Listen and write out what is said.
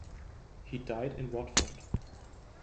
He died in Watford.